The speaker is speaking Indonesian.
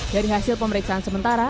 dari hasil pemeriksaan sementara